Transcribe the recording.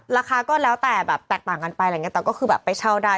ราคาก็แล้วแต่แบบแตกต่างกันไปอะไรอย่างเงี้แต่ก็คือแบบไปเช่าได้